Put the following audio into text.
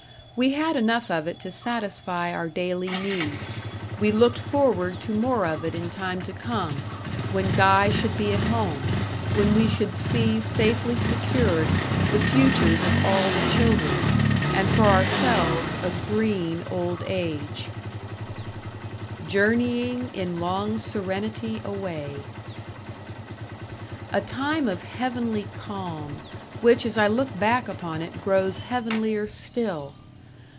We had enough of it to satisfy our daily need; we looked forward to more of it in time to come, when Guy should be at home, when we should see safely secured the futures of all the children, and for ourselves a green old age, "Journeying in long serenity away." A time of heavenly calm which as I look back upon it grows heavenlier still!